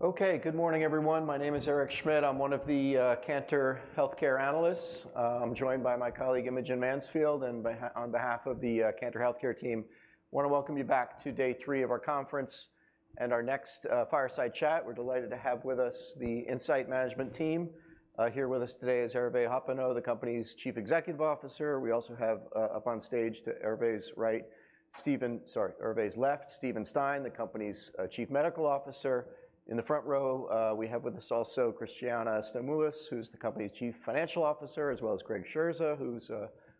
Okay. Good morning, everyone. My name is Eric Schmidt. I'm one of the Cantor Healthcare analysts. I'm joined by my colleague, Imogen Mansfield, and on behalf of the Cantor Healthcare team, I wanna welcome you back to day three of our conference and our next fireside chat. We're delighted to have with us the Incyte management team. Here with us today is Hervé Hoppenot, the company's Chief Executive Officer. We also have up on stage to Hervé's right, Steven. Sorry, Hervé's left, Steven Stein, the company's Chief Medical Officer. In the front row, we have with us also Christiana Stamoulis, who's the company's Chief Financial Officer, as well as Greg Sherr, who's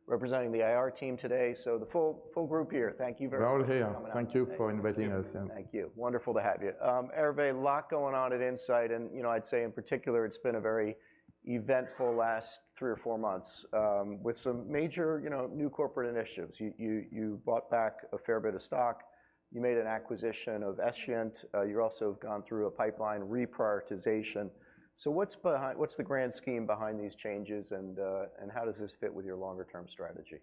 representing the IR team today. So the full group here. Thank you very much for coming. We're all here. Thank you for inviting us in. Thank you. Wonderful to have you. Hervé, a lot going on at Incyte, and, you know, I'd say in particular, it's been a very eventful last three or four months, with some major, you know, new corporate initiatives. You bought back a fair bit of stock. You made an acquisition of Escient. You're also gone through a pipeline reprioritization. So what's behind... What's the grand scheme behind these changes, and, and how does this fit with your longer-term strategy?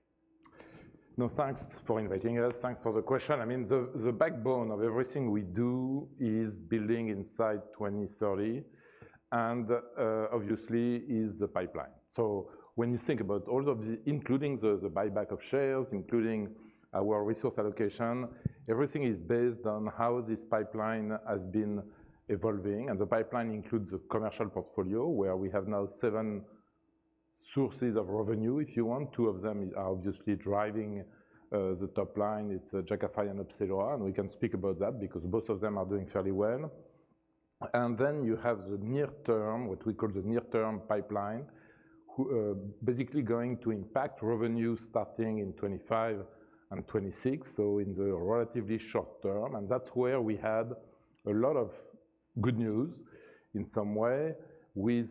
No, thanks for inviting us. Thanks for the question. I mean, the backbone of everything we do is building Incyte 2030, and, obviously, is the pipeline. So when you think about all of the- including the buyback of shares, including our resource allocation, everything is based on how this pipeline has been evolving, and the pipeline includes a commercial portfolio, where we have now seven sources of revenue, if you want. Two of them are obviously driving the top line. It's Jakafi and Opzelura, and we can speak about that because both of them are doing fairly well. And then you have the near term, what we call the near-term pipeline, basically going to impact revenue starting in 2025 and 2026, so in the relatively short term, and that's where we had a lot of good news in some way with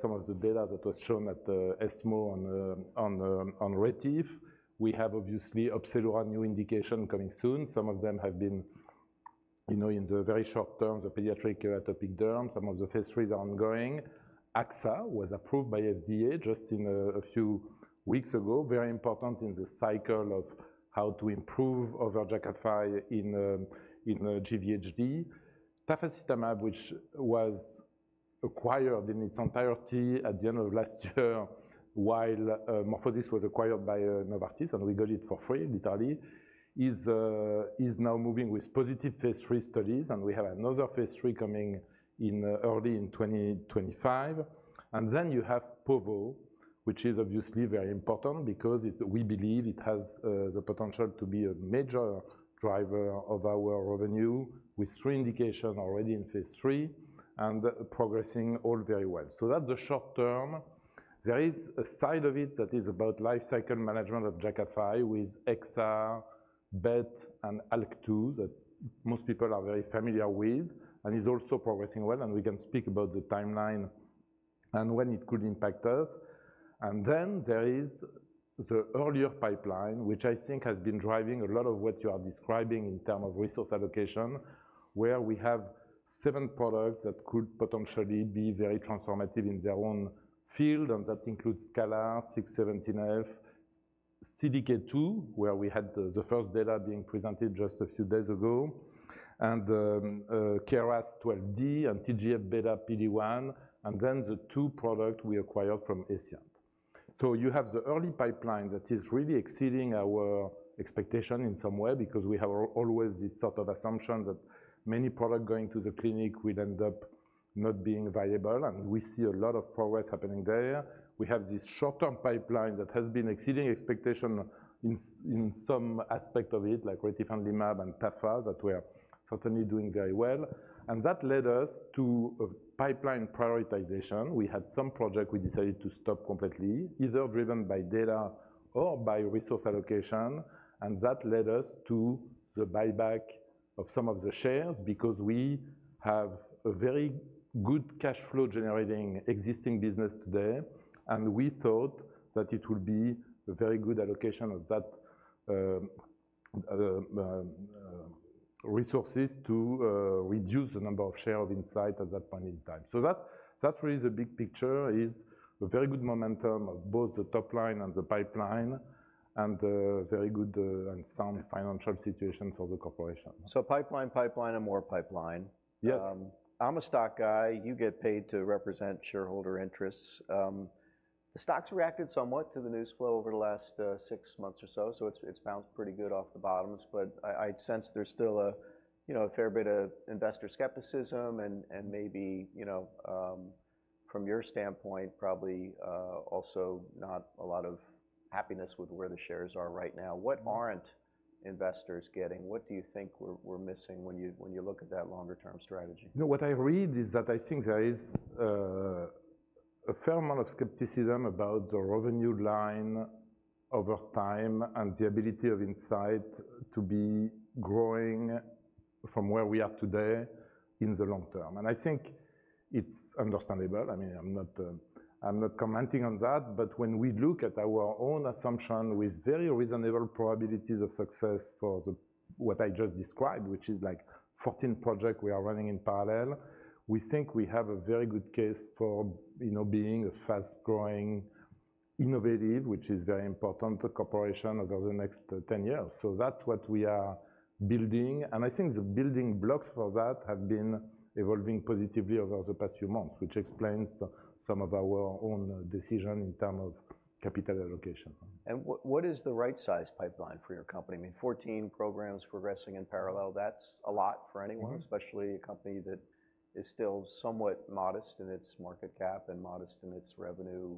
some of the data that was shown at the ESMO on the retifanlimab. We have obviously upside on new indication coming soon. Some of them have been, you know, in the very short term, the pediatric atopic derm, some of the phase IIIs are ongoing. Axa was approved by FDA just a few weeks ago, very important in the cycle of how to improve over Jakafi in GVHD. Tafasitamab, which was acquired in its entirety at the end of last year, while MorphoSys was acquired by Novartis, and we got it for free, literally, is now moving with positive phase III studies, and we have another phase III coming in early in 2025. And then you have povo, which is obviously very important because it, we believe it has the potential to be a major driver of our revenue, with three indications already in phase III and progressing all very well. So that's the short term. There is a side of it that is about lifecycle management of Jakafi with axa, BET, and ALK2, that most people are very familiar with, and is also progressing well, and we can speak about the timeline and when it could impact us. And then there is the earlier pipeline, which I think has been driving a lot of what you are describing in terms of resource allocation, where we have seven products that could potentially be very transformative in their own field, and that includes CALR, JAK2 V617F, CDK2, where we had the first data being presented just a few days ago, and KRAS G12D and TGF-beta/PD-1, and then the two products we acquired from Escient. So you have the early pipeline that is really exceeding our expectation in some way because we have always this sort of assumption that many products going to the clinic will end up not being viable, and we see a lot of progress happening there. We have this short-term pipeline that has been exceeding expectation in some aspect of it, like retifanlimab and tafasitamab, that we are certainly doing very well. And that led us to a pipeline prioritization. We had some project we decided to stop completely, either driven by data or by resource allocation, and that led us to the buyback of some of the shares because we have a very good cash flow generating existing business today. And we thought that it would be a very good allocation of that resources to reduce the number of shares of Incyte at that point in time. So that, that's really the big picture, is a very good momentum of both the top line and the pipeline, and a very good and sound financial situation for the corporation. So pipeline, pipeline, and more pipeline. Yes. I'm a stock guy. You get paid to represent shareholder interests. The stock's reacted somewhat to the news flow over the last six months or so, so it's bounced pretty good off the bottoms. But I sense there's still a you know a fair bit of investor skepticism and maybe you know from your standpoint probably also not a lot of happiness with where the shares are right now. Mm. What aren't investors getting? What do you think we're missing when you look at that longer-term strategy? No, what I read is that I think there is a fair amount of skepticism about the revenue line over time and the ability of Incyte to be growing from where we are today in the long term. And I think it's understandable. I mean, I'm not, I'm not commenting on that, but when we look at our own assumption with very reasonable probabilities of success for the what I just described, which is like 14 projects we are running in parallel, we think we have a very good case for, you know, being a fast-growing innovative, which is very important for corporation over the next 10 years. So that's what we are building, and I think the building blocks for that have been evolving positively over the past few months, which explains some of our own decision in terms of capital allocation. What is the right size pipeline for your company? I mean, 14 programs progressing in parallel, that's a lot for anyone- Mm-hmm. -especially a company that is still somewhat modest in its market cap and modest in its revenue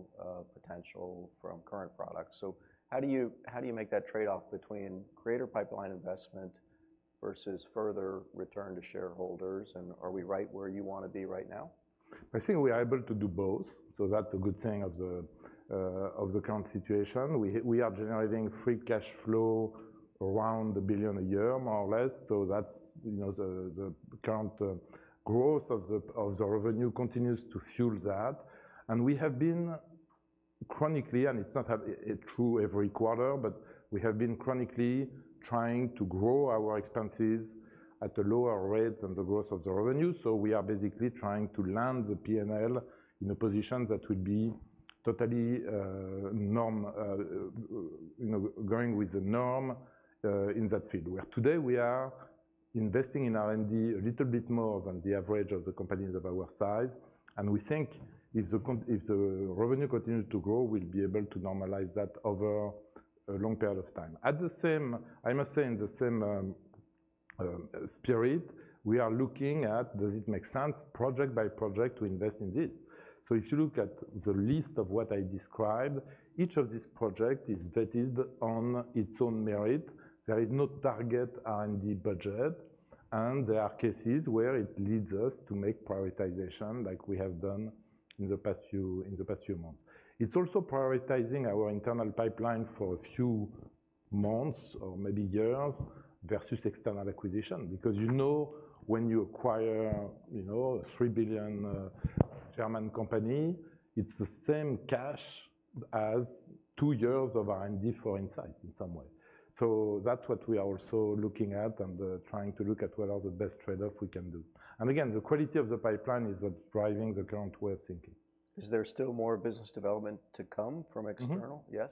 potential from current products. So how do you make that trade-off between greater pipeline investment versus further return to shareholders? And are we right where you wanna be right now? I think we are able to do both, so that's a good thing of the current situation. We are generating free cash flow around $1 billion a year, more or less, so that's, you know, the current growth of the revenue continues to fuel that. And we have been chronically, and it's not true every quarter, but we have been chronically trying to grow our expenses at a lower rate than the growth of the revenue. So we are basically trying to land the P&L in a position that would be totally normal, you know, going with the norm in that field. Where today we are investing in R&D a little bit more than the average of the companies of our size, and we think if the revenue continues to grow, we'll be able to normalize that over a long period of time. At the same, I must say in the same spirit, we are looking at, does it make sense, project by project, to invest in this? So if you look at the list of what I described, each of these project is vetted on its own merit. There is no target R&D budget, and there are cases where it leads us to make prioritization like we have done in the past few months. It's also prioritizing our internal pipeline for a few months or maybe years versus external acquisition, because you know, when you acquire, you know, $3 billion German company, it's the same cash as two years of R&D for Incyte in some way. So that's what we are also looking at and, trying to look at what are the best trade-off we can do. And again, the quality of the pipeline is what's driving the current way of thinking. Is there still more business development to come from external? Mm-hmm. Yes?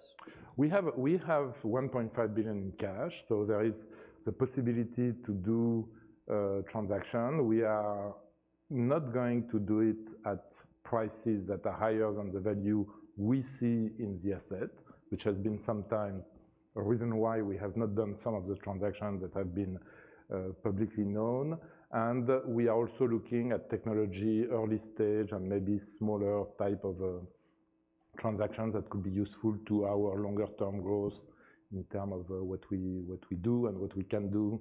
We have $1.5 billion in cash, so there is the possibility to do a transaction. We are not going to do it at prices that are higher than the value we see in the asset, which has been sometimes a reason why we have not done some of the transactions that have been publicly known, and we are also looking at technology, early stage, and maybe smaller type of transactions that could be useful to our longer term growth in terms of what we do and what we can do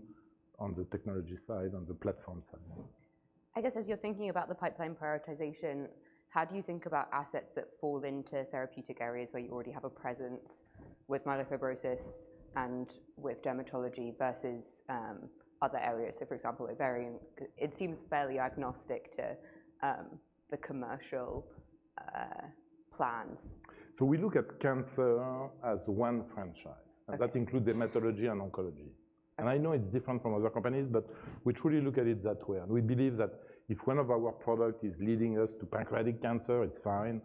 on the technology side, on the platform side. I guess, as you're thinking about the pipeline prioritization, how do you think about assets that fall into therapeutic areas where you already have a presence with myelofibrosis and with dermatology versus other areas? So for example, ovarian, it seems fairly agnostic to the commercial plans. We look at cancer as one franchise. Okay. That includes dermatology and oncology. I know it's different from other companies, but we truly look at it that way, and we believe that if one of our product is leading us to pancreatic cancer, it's fine.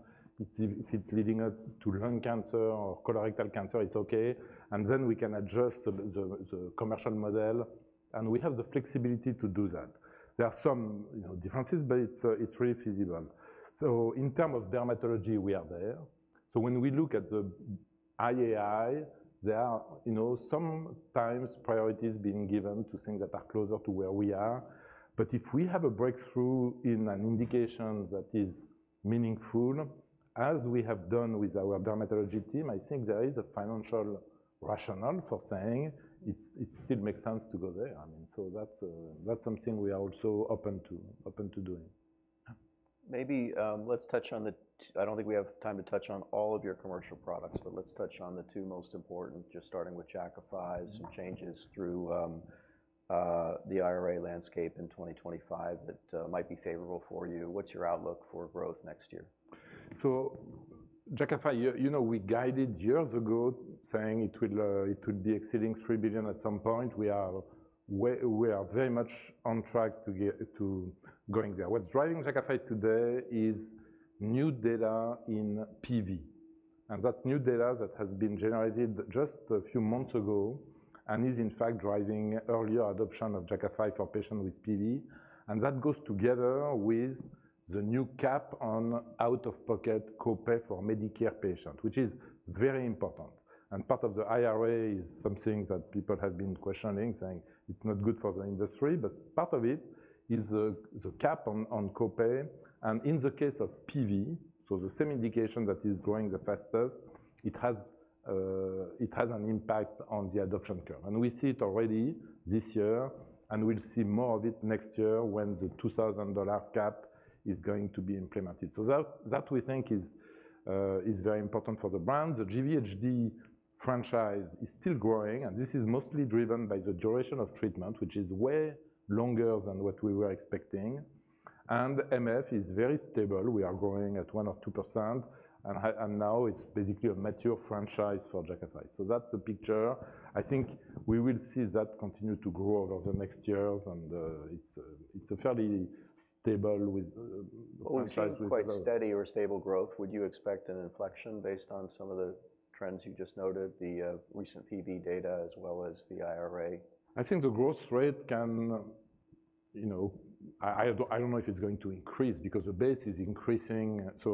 If it's leading us to lung cancer or colorectal cancer, it's okay, and then we can adjust the commercial model, and we have the flexibility to do that. There are some, you know, differences, but it's really feasible. In terms of dermatology, we are there. When we look at the IAI, there are, you know, sometimes priorities being given to things that are closer to where we are. But if we have a breakthrough in an indication that is meaningful, as we have done with our dermatology team, I think there is a financial rationale for saying it's, it still makes sense to go there. I mean, so that's something we are also open to, open to doing. Maybe, let's touch on the... I don't think we have time to touch on all of your commercial products, but let's touch on the two most important, just starting with Jakafi. Mm-hmm. Some changes through the IRA landscape in 2025 that might be favorable for you. What's your outlook for growth next year? So Jakafi, you know, we guided years ago, saying it will, it would be exceeding $3 billion at some point. We are we are very much on track to going there. What's driving Jakafi today is new data in PV, and that's new data that has been generated just a few months ago and is in fact driving earlier adoption of Jakafi for patient with PV. And that goes together with the new cap on out-of-pocket copay for Medicare patient, which is very important. And part of the IRA is something that people have been questioning, saying it's not good for the industry, but part of it is the cap on copay. And in the case of PV, so the same indication that is growing the fastest, it has, it has an impact on the adoption curve. We see it already this year, and we'll see more of it next year when the $2,000 cap is going to be implemented. So that we think is very important for the brand. The GVHD franchise is still growing, and this is mostly driven by the duration of treatment, which is way longer than what we were expecting. MF is very stable. We are growing at 1% or 2%, and now it's basically a mature franchise for Jakafi. So that's the picture. I think we will see that continue to grow over the next years, and it's a fairly stable with inside with the- Quite steady or stable growth. Would you expect an inflection based on some of the trends you just noted, the recent PBM data, as well as the IRA? I think the growth rate can, you know... I don't know if it's going to increase because the base is increasing. So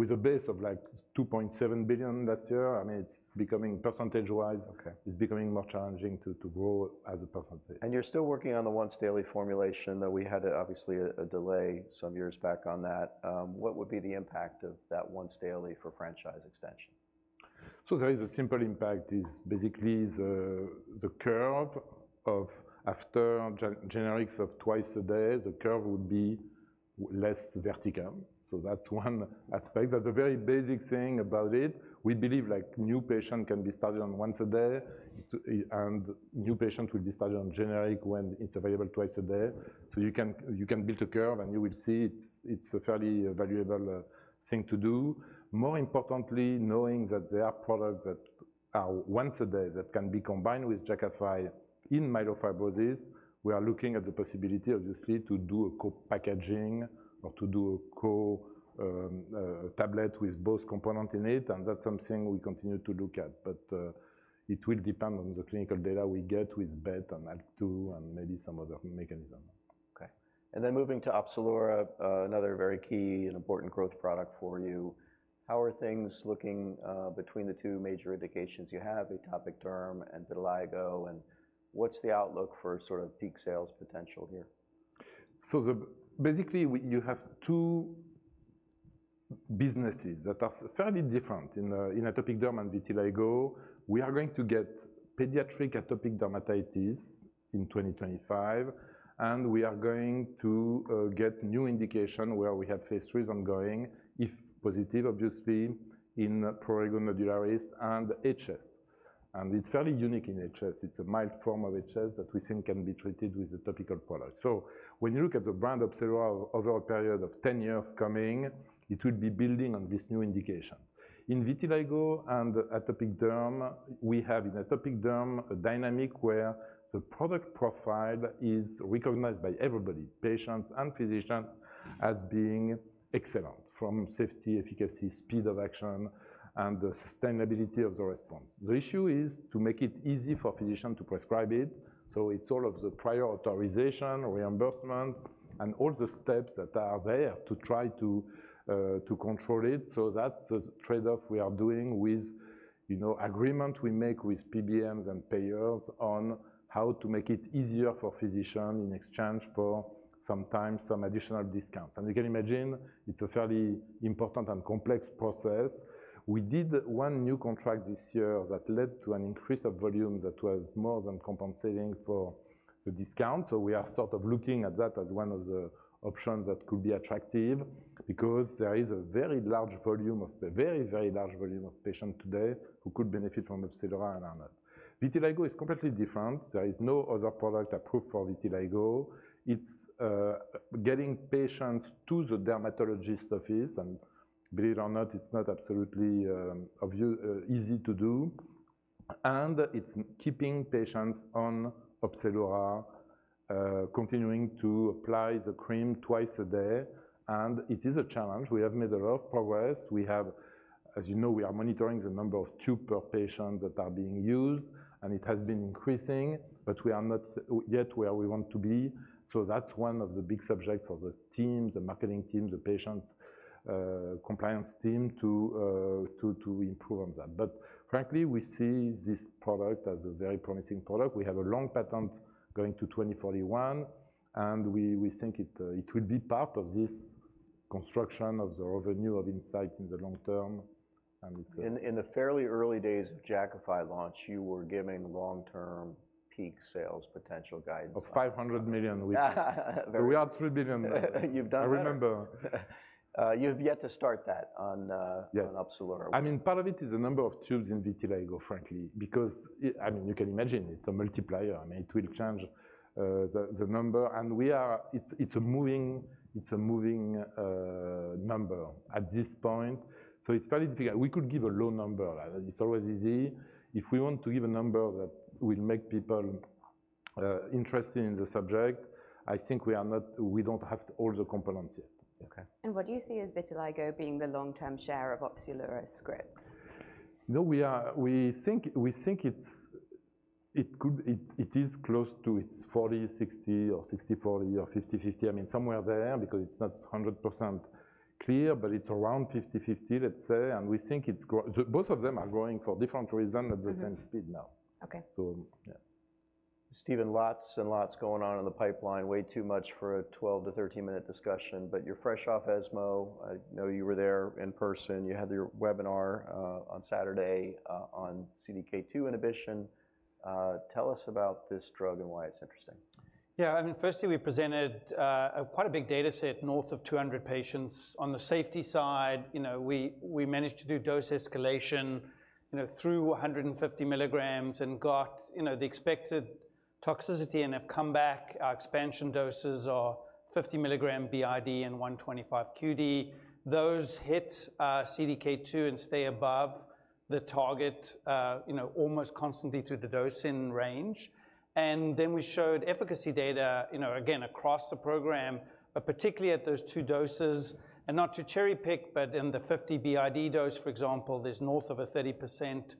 with a base of, like, $2.7 billion last year, I mean, it's becoming percentage-wise- Okay. It's becoming more challenging to grow as a percentage. You're still working on the once-daily formulation that we had, obviously, a delay some years back on that. What would be the impact of that once-daily for franchise extension? So there is a simple impact. It is basically the curve of after generics of twice a day. The curve would be less vertical. So that's one aspect. That's a very basic thing about it. We believe, like, new patient can be started on once a day, too, and new patient will be started on generic when it's available twice a day. So you can build a curve, and you will see it's a fairly valuable thing to do. More importantly, knowing that there are products that are once a day that can be combined with Jakafi in myelofibrosis, we are looking at the possibility, obviously, to do a co-packaging or to do a combo tablet with both component in it, and that's something we continue to look at. It will depend on the clinical data we get with BET and ALK2 and maybe some other mechanism. Okay. And then moving to Opzelura, another very key and important growth product for you. How are things looking, between the two major indications you have, atopic derm and vitiligo, and what's the outlook for sort of peak sales potential here? Basically, you have two businesses that are fairly different. In atopic derm and vitiligo, we are going to get pediatric atopic dermatitis in 2025, and we are going to get new indication where we have phase IIIs ongoing, if positive, obviously, in prurigo nodularis and HS. It's fairly unique in HS. It's a mild form of HS that we think can be treated with a topical product. When you look at the brand Opzelura, overall period of 10 years coming, it will be building on this new indication. In vitiligo and atopic derm, we have in atopic derm, a dynamic where the product profile is recognized by everybody, patients and physicians, as being excellent, from safety, efficacy, speed of action, and the sustainability of the response. The issue is to make it easy for physicians to prescribe it, so it's all of the prior authorization, reimbursement, and all the steps that are there to try to control it. So that's the trade-off we are doing with, you know, agreement we make with PBMs and payers on how to make it easier for physicians in exchange for sometimes some additional discounts. And you can imagine it's a fairly important and complex process. We did one new contract this year that led to an increase of volume that was more than compensating for the discount. So we are sort of looking at that as one of the options that could be attractive because there is a very, very large volume of patients today who could benefit from Opzelura for AD. Vitiligo is completely different. There is no other product approved for vitiligo. It's getting patients to the dermatologist office, and believe it or not, it's not absolutely obvious, easy to do, and it's keeping patients on Opzelura, continuing to apply the cream twice a day, and it is a challenge. We have made a lot of progress. We have, as you know, we are monitoring the number of tubes per patient that are being used, and it has been increasing, but we are not yet where we want to be. So that's one of the big subject for the team, the marketing team, the patient compliance team, to improve on that. But frankly, we see this product as a very promising product. We have a long patent going to 2041, and we think it will be part of this contribution to the revenue of Incyte in the long term, and it In the fairly early days of Jakafi launch, you were giving long-term peak sales potential guidance. Of $500 million, which- Very- We are at $3 billion now. You've done better. I remember. You've yet to start that on. Yes. - on Opzelura. I mean, part of it is the number of tubes in vitiligo, frankly, because it... I mean, you can imagine it's a multiplier. I mean, it will change the number, and it's a moving number at this point. So it's very difficult. We could give a low number. It's always easy. If we want to give a number that will make people interested in the subject, I think we don't have all the components yet. Okay. What do you see as vitiligo being the long-term share of Opzelura scripts? No, we think it's close to 40/60 or 60/40 or 50/50. I mean, somewhere there, because it's not 100% clear, but it's around 50/50, let's say. And we think both of them are growing for different reasons. Mm-hmm. at the same speed now. Okay. So yeah. Steven, lots and lots going on in the pipeline. Way too much for a twelve-to thirteen-minute discussion, but you're fresh off ESMO. I know you were there in person. You had your webinar on Saturday on CDK2 inhibition. Tell us about this drug and why it's interesting. Yeah, I mean, firstly, we presented quite a big data set, north of 200 patients. On the safety side, you know, we managed to do dose escalation, you know, through 150 milligrams and got, you know, the expected toxicity and have come back. Our expansion doses are 50 milligram BID and 125 QD. Those hit CDK2 and stay above the target, you know, almost constantly through the dosing range. And then we showed efficacy data, you know, again, across the program, but particularly at those two doses and not to cherry-pick, but in the 50 BID dose, for example, there's north of 30%,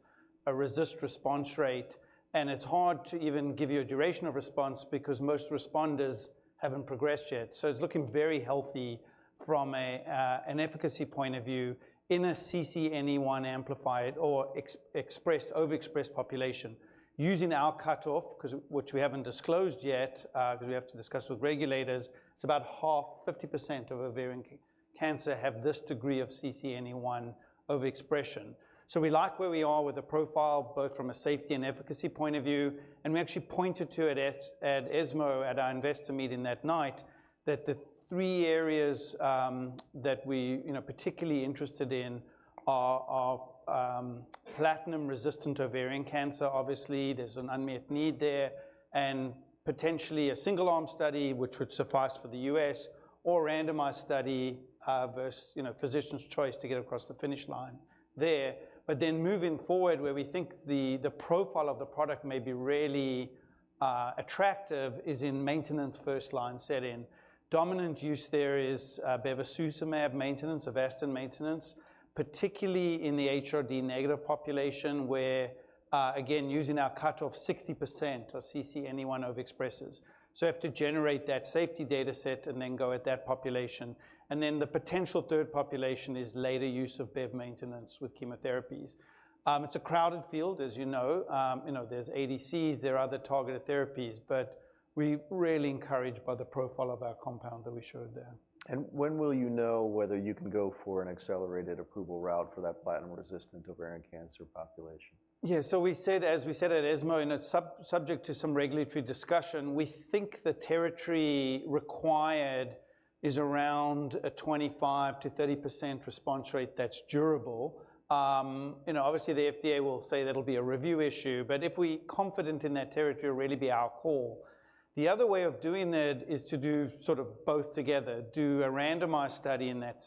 a RECIST response rate, and it's hard to even give you a duration of response because most responders haven't progressed yet. So it's looking very healthy from a, an efficacy point of view in a CCNE1 amplified or expressed, overexpressed population. Using our cutoff, 'cause, which we haven't disclosed yet, because we have to discuss with regulators, it's about half, 50% of ovarian cancer have this degree of CCNE1 overexpression. So we like where we are with the profile, both from a safety and efficacy point of view, and we actually pointed to it at ESMO, at our investor meeting that night, that the three areas, that we, you know, particularly interested in are platinum-resistant ovarian cancer. Obviously, there's an unmet need there, and potentially a single-arm study, which would suffice for the U.S. or randomized study, versus, you know, physician's choice to get across the finish line there. But then moving forward, where we think the profile of the product may be really attractive is in maintenance first-line setting. Dominant use there is bevacizumab maintenance, Avastin maintenance, particularly in the HRD negative population, where again, using our cutoff 60% of CCNE1 overexpresses. So we have to generate that safety data set and then go at that population, and then the potential third population is later use of bev maintenance with chemotherapies. It's a crowded field, as you know. You know, there's ADCs, there are other targeted therapies, but we're really encouraged by the profile of our compound that we showed there. When will you know whether you can go for an accelerated approval route for that platinum-resistant ovarian cancer population? Yeah, so we said, as we said at ESMO, and it's subject to some regulatory discussion, we think the territory required is around a 25%-30% response rate that's durable. You know, obviously, the FDA will say that'll be a review issue, but if we confident in that territory, it'll really be our call. The other way of doing it is to do sort of both together. Do a randomized study in that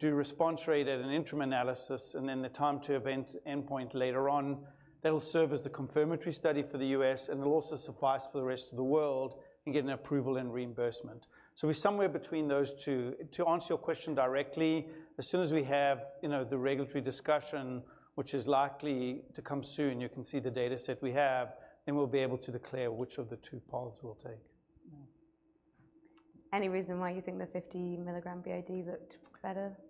setting, do response rate at an interim analysis, and then the time to event endpoint later on. That'll serve as the confirmatory study for the U.S., and it'll also suffice for the rest of the world and get an approval and reimbursement. So we're somewhere between those two. To answer your question directly, as soon as we have, you know, the regulatory discussion, which is likely to come soon, you can see the data set we have, then we'll be able to declare which of the two paths we'll take. Any reason why you think the 50 milligram BID looked better? You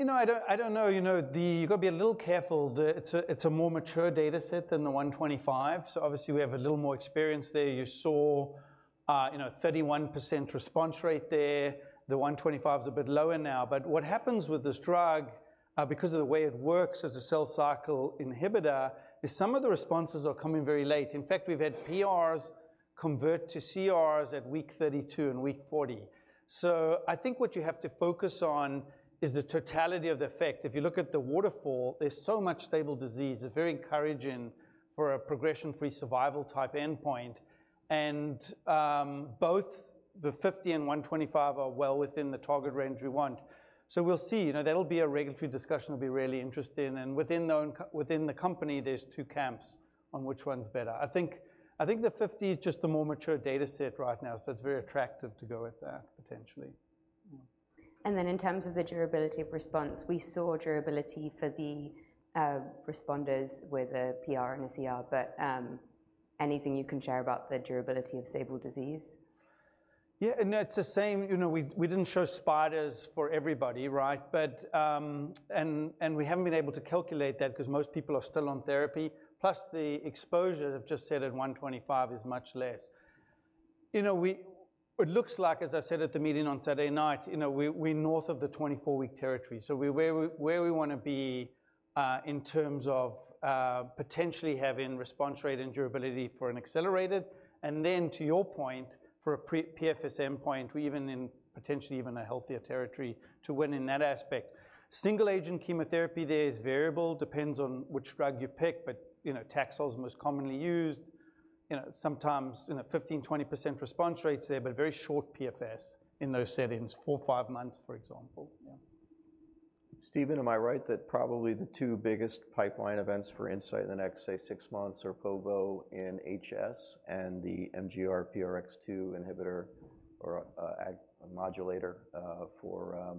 know, I don't, I don't know. You know, the-- you've got to be a little careful there. It's a, it's a more mature data set than the 125, so obviously, we have a little more experience there. You saw, you know, 31% response rate there. The 125 is a bit lower now, but what happens with this drug, because of the way it works as a cell cycle inhibitor, is some of the responses are coming very late. In fact, we've had PRs convert to CRs at week 32 and week 40. So I think what you have to focus on is the totality of the effect. If you look at the waterfall, there's so much stable disease, it's very encouraging for a progression-free survival type endpoint, and, both the 50 and 125 are well within the target range we want. So we'll see. You know, that'll be a regulatory discussion, will be really interesting, and within the own co-- within the company, there's two camps on which one's better. I think, I think the 50 is just a more mature data set right now, so it's very attractive to go with that, potentially. And then in terms of the durability of response, we saw durability for the responders with a PR and a CR, but anything you can share about the durability of stable disease? Yeah, no, it's the same. You know, we didn't show spiders for everybody, right? But, and we haven't been able to calculate that because most people are still on therapy, plus the exposure, I've just said at one twenty-five is much less. You know, we it looks like, as I said at the meeting on Saturday night, you know, we're north of the twenty-four-week territory. So we're where we want to be, in terms of potentially having response rate and durability for an accelerated, and then to your point, for a pre PFS endpoint, we even potentially even a healthier territory to win in that aspect. Single-agent chemotherapy there is variable, depends on which drug you pick, but, you know, Taxol is the most commonly used. You know, sometimes, you know, 15%-20% response rates there, but a very short PFS in those settings, four, five months, for example. Yeah. Stephen, am I right that probably the two biggest pipeline events for Incyte in the next, say, six months are povo in HS and the MRGPRX2 inhibitor or a modulator for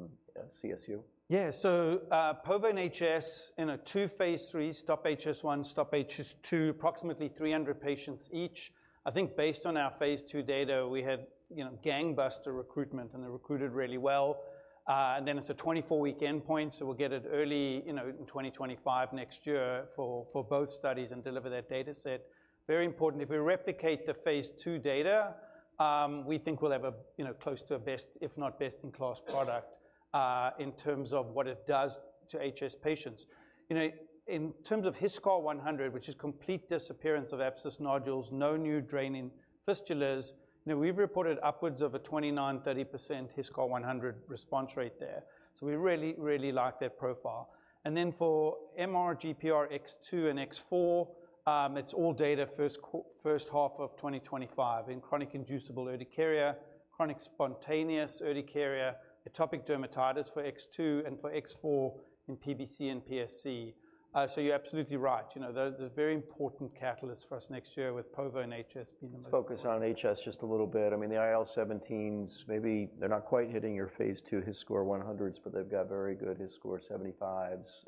CSU? Yeah. So, povo in HS in two phase III, STOP-HS1, STOP-HS2, approximately 300 patients each. I think based on our phase II data, we had, you know, gangbuster recruitment, and they recruited really well. And then it's a 24-week endpoint, so we'll get it early, you know, in 2025 next year for both studies and deliver that data set. Very important. If we replicate the phase II data, we think we'll have a, you know, close to a best, if not best-in-class product in terms of what it does to HS patients. You know, in terms of HiSCR 100, which is complete disappearance of abscess nodules, no new draining fistulas, you know, we've reported upwards of a 29-30% HiSCR 100 response rate there. So we really, really like that profile. And then for MRGPRX2 and X4, it's all data first half of 2025 in chronic inducible urticaria, chronic spontaneous urticaria, atopic dermatitis for X2, and for X4 in PBC and PSC. So you're absolutely right. You know, those are very important catalysts for us next year with povo and HS being- Let's focus on HS just a little bit. I mean, the IL-17s, maybe they're not quite hitting your phase II HiSCR 100s, but they've got very good HiSCR 75s,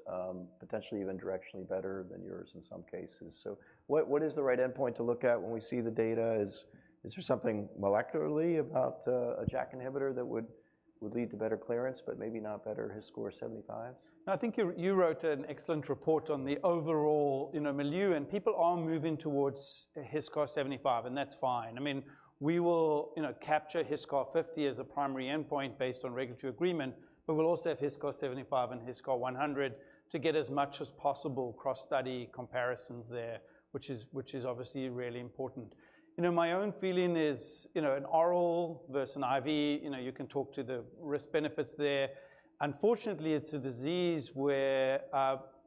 potentially even directionally better than yours in some cases. So what, what is the right endpoint to look at when we see the data? Is, is there something molecularly about a JAK inhibitor that would, would lead to better clearance, but maybe not better HiSCR 75s? I think you wrote an excellent report on the overall, you know, milieu, and people are moving towards HiSCR 75, and that's fine. I mean, we will, you know, capture HiSCR 50 as a primary endpoint based on regulatory agreement, but we'll also have HiSCR 75 and HiSCR 100 to get as much as possible cross-study comparisons there, which is obviously really important. You know, my own feeling is, you know, an oral versus an IV, you know, you can talk to the risk benefits there. Unfortunately, it's a disease where,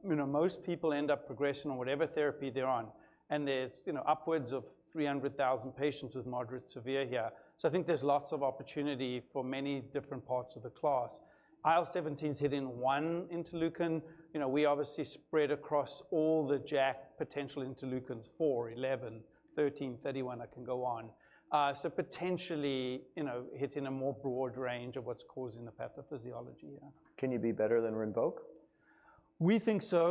you know, most people end up progressing on whatever therapy they're on, and there's, you know, upwards of three hundred thousand patients with moderate to severe HS. So I think there's lots of opportunity for many different parts of the class. IL-17 is hitting one interleukin. You know, we obviously spread across all the JAK potential interleukins four, eleven, thirteen, thirty-one, I can go on, so potentially, you know, hitting a more broad range of what's causing the pathophysiology, yeah. Can you be better than Rinvoq? We think so.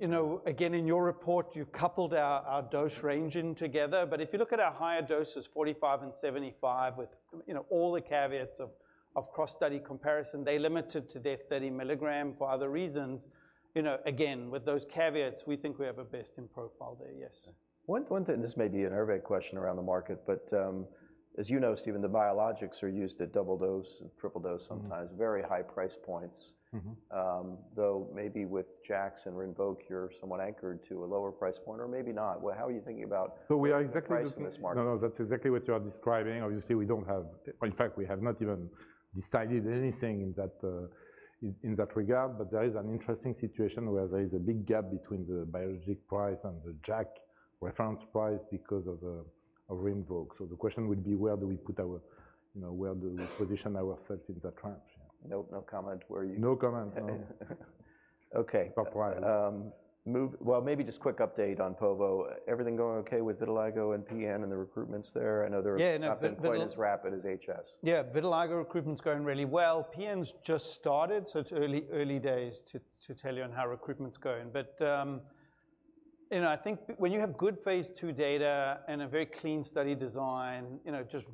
You know, again, in your report, you coupled our dose ranging together, but if you look at our higher doses, 45 and 75, with, you know, all the caveats of cross-study comparison, they're limited to their 30 milligram for other reasons. You know, again, with those caveats, we think we have a best-in-class profile there, yes. One, one thing, this may be an Hervé question around the market, but, as you know, Steven, the biologics are used at double dose and triple dose sometimes- Mm-hmm. very high price points. Mm-hmm. Though maybe with JAKs and Rinvoq, you're somewhat anchored to a lower price point, or maybe not, well, how are you thinking about- So we are exactly- the price in this market? No, no, that's exactly what you are describing. Obviously, we don't have... In fact, we have not even decided anything in that regard. But there is an interesting situation where there is a big gap between the biologic price and the JAK reference price because of Rinvoq. So the question would be: where do we put our, you know, where do we position ourselves in that trench? Nope, no comment where you- No comment. No. Okay. No comment. Maybe just quick update on povo. Everything going okay with vitiligo and PN and the recruitments there? I know they're- Yeah, no. not been quite as rapid as HS. Yeah, vitiligo recruitment is going really well. PN's just started, so it's early, early days to tell you on how recruitment's going. But, you know, I think when you have good phase II data and a very clean study design, you know, it just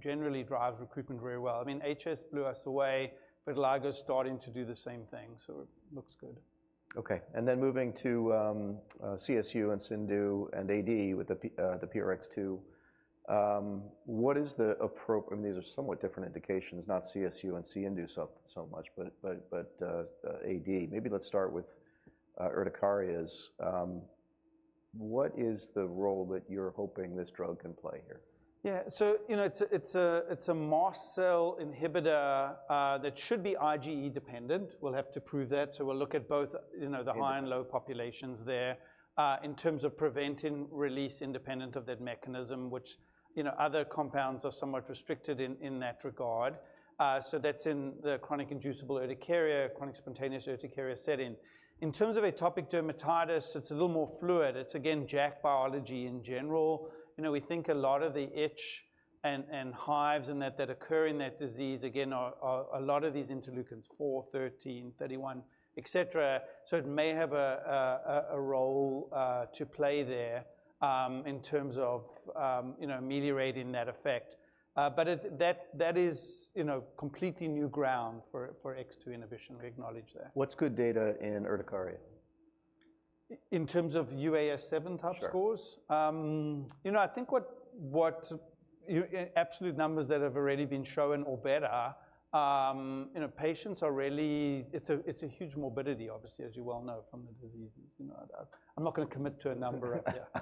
generally drives recruitment very well. I mean, HS blew us away. Vitiligo is starting to do the same thing, so it looks good. Okay, and then moving to CSU and CIndU and AD with the MRGPRX2. I mean, these are somewhat different indications, not CSU and CIndU, so AD. Maybe let's start with urticarias. What is the role that you're hoping this drug can play here? Yeah. So, you know, it's a mast cell inhibitor that should be IgE dependent. We'll have to prove that. So we'll look at both, you know- Mm-hmm... high and low populations there, in terms of preventing release independent of that mechanism, which, you know, other compounds are somewhat restricted in that regard. So that's in the chronic inducible urticaria, chronic spontaneous urticaria setting. In terms of atopic dermatitis, it's a little more fluid. It's, again, JAK biology in general. You know, we think a lot of the itch and hives and that that occur in that disease, again, are a lot of these interleukins, four, thirteen, thirty-one, et cetera. So it may have a role to play there, in terms of, you know, mediating that effect. But it... That is, you know, completely new ground for X2 inhibition. We acknowledge that. What's good data in urticaria? In terms of UAS7 type scores? Sure. You know, I think what absolute numbers that have already been shown or better, you know, patients are really... It's a huge morbidity, obviously, as you well know, from the diseases. You know, I'm not gonna commit to a number. Yeah.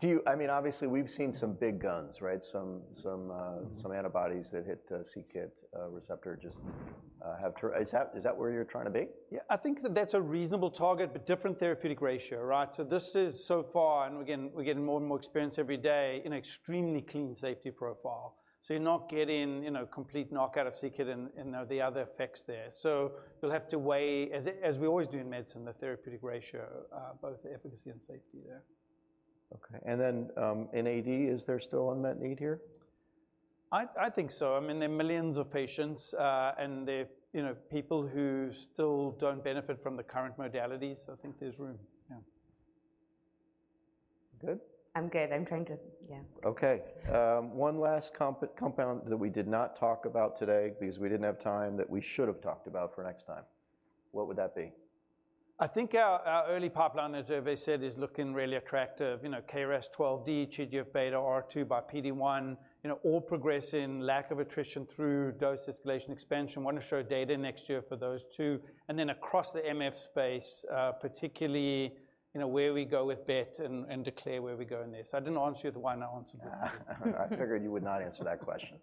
Do you... I mean, obviously, we've seen some big guns, right? Mm-hmm. some antibodies that hit the c-kit receptor just have. Is that, is that where you're trying to be? Yeah, I think that that's a reasonable target, but different therapeutic ratio, right? So this is so far, and again, we're getting more and more experience every day, an extremely clean safety profile. So you're not getting, you know, complete knockout of c-kit and the other effects there. So we'll have to weigh, as we always do in medicine, the therapeutic ratio both the efficacy and safety there. Okay. And then, in AD, is there still unmet need here? I think so. I mean, there are millions of patients, and they're, you know, people who still don't benefit from the current modalities, so I think there's room, yeah. Good? I'm good. Yeah. Okay. One last compound that we did not talk about today because we didn't have time, that we should have talked about for next time, what would that be? I think our early pipeline, as Hervé said, is looking really attractive. You know, KRAS G12D, TGF-beta/PD-1, you know, all progressing, lack of attrition through dose escalation expansion. Want to show data next year for those two, and then across the MF space, particularly, you know, where we go with BET and declare where we go in this. I didn't answer you the one I answered before. I figured you would not answer that question.